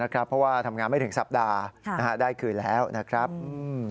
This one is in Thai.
เพราะว่าทำงานไม่ถึงสัปดาห์ได้คืนแล้วนะครับ